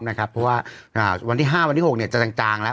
เพราะว่าวันที่๕วันที่๖จะจางแล้ว